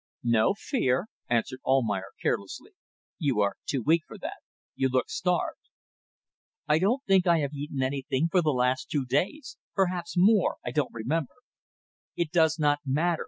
"No fear," answered Almayer, carelessly; "you are too weak for that. You look starved." "I don't think I have eaten anything for the last two days; perhaps more I don't remember. It does not matter.